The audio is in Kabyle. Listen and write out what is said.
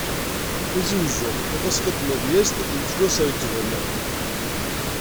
Tizi Uzzu, tafaska n tmedyazt yettwasrekben.